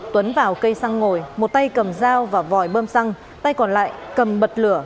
tuấn vào cây xăng ngồi một tay cầm dao và vòi bơm xăng tay còn lại cầm bật lửa